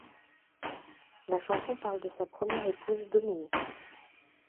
La chanson parle de sa première épouse Dominique.